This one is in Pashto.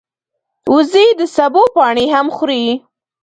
وزې د سبو پاڼې هم خوري